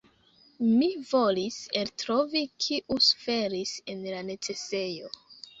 Mi volis eltrovi kiu suferis en la necesejo."